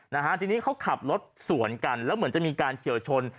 นะฮะทีนี้เขาขับรถสวนกันแล้วเหมือนจะมีการเฉียวชน